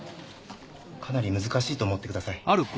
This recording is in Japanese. かなり難しいと思ってください。